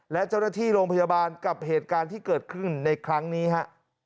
และเจ้าหน้าที่โรงพยาบาลกับเหตุการณ์ที่เกิดขึ้นในครั้งนี้ฮะ